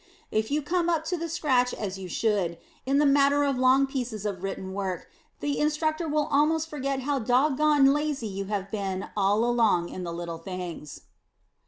If you come up to the scratch as you should, in the matter of long pieces of written work, the Instructor will almost forget how dog goned lazy you have been all along in the little things.